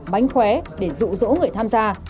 bánh khóe để dụ dỗ người tham gia